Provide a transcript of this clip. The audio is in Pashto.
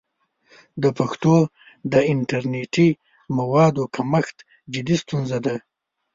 د پښتو د انټرنیټي موادو کمښت جدي ستونزه ده.